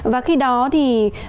và khi đó thì